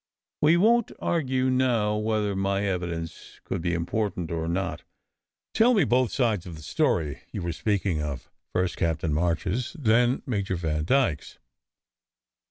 "We won t argue now whether my evidence could be important or not. Tell me both sides of the story you were speaking of, first Captain March s, then Major Vandyke s."